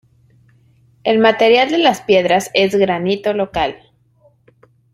El material de las piedras es granito local.